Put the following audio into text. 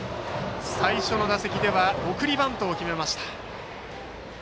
最初の打席では送りバントを決めました。